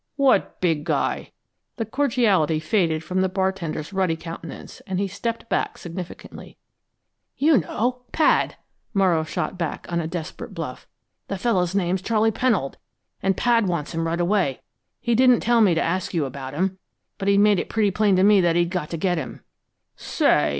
"What big guy?" The cordiality faded from the bartender's ruddy countenance and he stepped back significantly. "You know Pad!" Morrow shot back on a desperate bluff. "The fellow's name's Charley Pennold, and Pad wants him right away. He didn't tell me to ask you about him, but he made it pretty plain to me that he'd got to get him." "Say!"